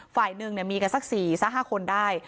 ฝ่ายหนึ่งมีกันสัก๔สัก๕คนได้